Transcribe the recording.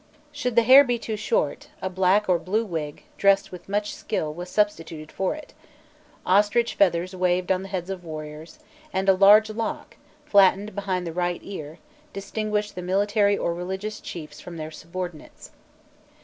Should the hair be too short, a black or blue wig, dressed with much skill, was substituted for it; ostrich feathers waved on the heads of warriors, and a large lock, flattened behind the right ear, distinguished the military or religious chiefs from their subordinates.